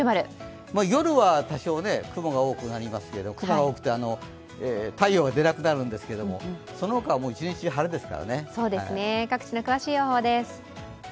夜は多少、雲が多くなりますけど太陽が出なくなるんですけれども、そのほかは一日中、晴れです。